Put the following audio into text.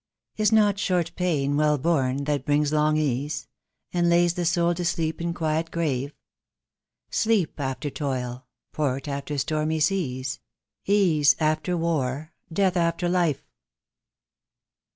"Is not short payne well borne that bringes long ease, And laves the soule to sleepe in quiet grave? Sleepe after toyle, port after stormie seas, Ease after warre, death after life